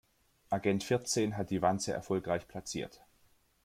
Agent vierzehn hat die Wanze erfolgreich platziert.